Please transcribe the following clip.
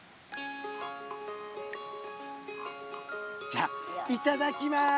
じゃあいただきます。